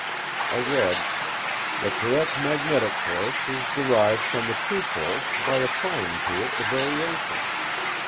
I read: "The Correct Magnetic Course is derived from the True Course by applying to it the variation."